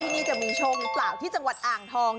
ที่นี่จะมีโชคหรือเปล่าที่จังหวัดอ่างทอง